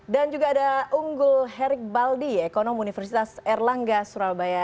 dan juga ada unggul herik baldi ekonom universitas erlangga surabaya